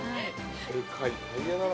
でかいタイヤだな。